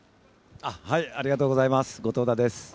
ありがとうございます、後藤田です。